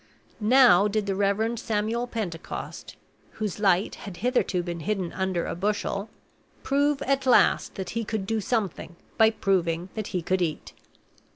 Now did the Reverend Samuel Pentecost, whose light had hitherto been hidden under a bushel, prove at last that he could do something by proving that he could eat.